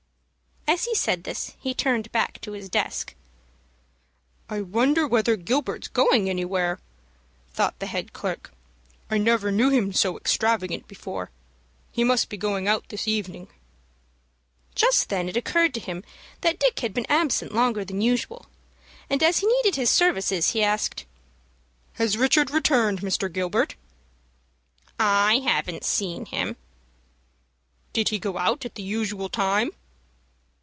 As he said this, he turned back to his desk. "I wonder whether Gilbert's going anywhere," thought the head clerk. "I never knew him so extravagant before. He must be going out this evening." Just then it occurred to him that Dick had been absent longer than usual, and, as he needed his services, he asked, "Has Richard returned, Mr. Gilbert?" "I haven't seen him." "Did he go out at the usual time?"